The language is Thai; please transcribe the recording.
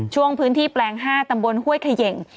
ช่วงพื้นที่แปลง๕ตำบลห้วยเขย่ง